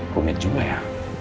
bungit juga ya